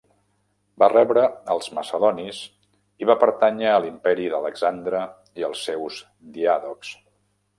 Va rebre els macedonis i va pertànyer a l'imperi d'Alexandre i els seus diàdocs.